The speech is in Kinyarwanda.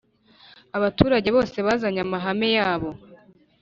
Abaturage bose bazanye amahame yabo